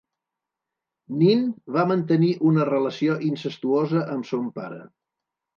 Nin va mantenir una relació incestuosa amb son pare.